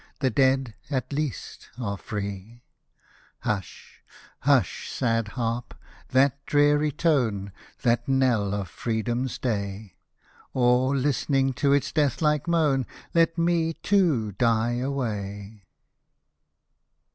The dead, at least, are free I — Hush, hush, sad Harp, that dreary tone, That knell of Freedom's day ; Or, listening to its death like moan. Let me, too, die away.